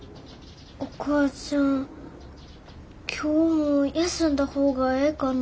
お母ちゃん今日も休んだ方がええかな？